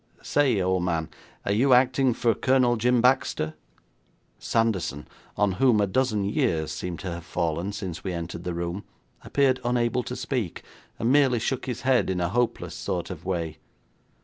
Say, old man, are you acting for Colonel Jim Baxter?' Sanderson, on whom a dozen years seemed to have fallen since we entered the room, appeared unable to speak, and merely shook his head in a hopeless sort of way.